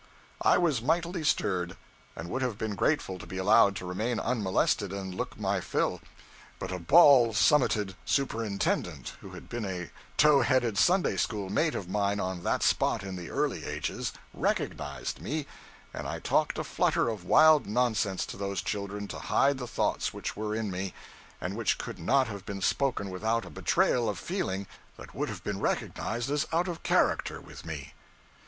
I was mightily stirred, and would have been grateful to be allowed to remain unmolested and look my fill; but a bald summited superintendent who had been a tow headed Sunday school mate of mine on that spot in the early ages, recognized me, and I talked a flutter of wild nonsense to those children to hide the thoughts which were in me, and which could not have been spoken without a betrayal of feeling that would have been recognized as out of character with me.